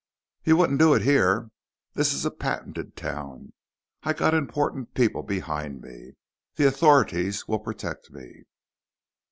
"You wouldn't do it here. This is a patented town. I got important people behind me. The authorities will protect me."